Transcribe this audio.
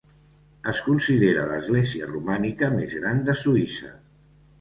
Es considera l'església romànica més gran de Suïssa.